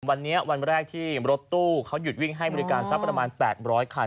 วันนี้วันแรกที่รถตู้เขาหยุดวิ่งให้บริการสักประมาณ๘๐๐คัน